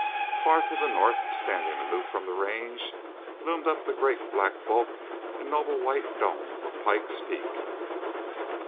Far to the north, standing aloof from the range, loomed up the grand black bulk and noble white dome of Pikes Peak.